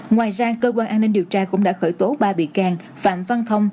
ngoài ra cơ quan an ninh điều tra cũng đã khởi tố ba bị can phạm văn thông